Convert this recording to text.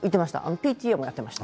ＰＴＡもやっていました。